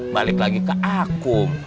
balik lagi ke akum